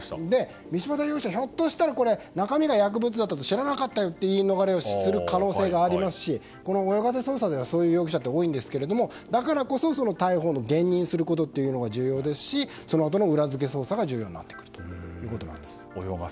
道端容疑者、ひょっとしたら中身が薬物だったと知らなかったと言い逃れをする可能性もありますし泳がせ捜査ではそういう容疑者が多いんですけどだからこそ逮捕を現認することが重要ですしその後の裏付け捜査が重要になってきます。